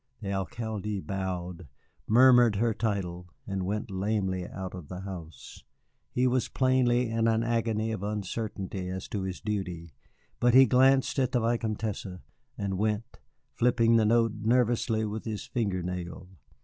The Alcalde bowed, murmured her title, and went lamely out of the house. He was plainly in an agony of uncertainty as to his duty, but he glanced at the Vicomtesse and went, flipping the note nervously with his finger nail.